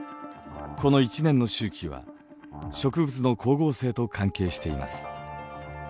この１年の周期は植物の光合成と関係しています。